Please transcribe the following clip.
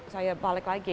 saya kembali lagi